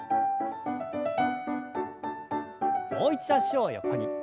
もう一度脚を横に。